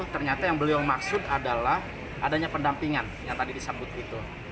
ternyata yang beliau maksud adalah adanya pendampingan yang tadi disambut itu